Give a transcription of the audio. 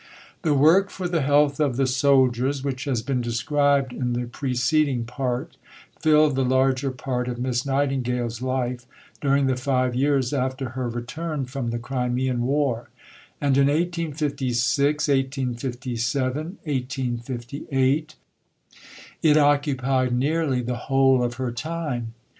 The work for the health of the soldiers, which has been described in the preceding Part, filled the larger part of Miss Nightingale's life during the five years after her return from the Crimean War; and in 1856, 1857, 1858 it occupied nearly the whole of her time.